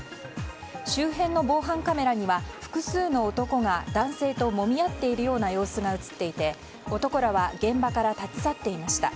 周辺の防犯カメラには複数の男が男性ともみ合っているような様子が映っていて男らは現場から立ち去っていました。